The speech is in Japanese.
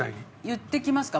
言ってきますか？